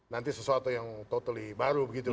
nanti sesuatu yang totally baru gitu kan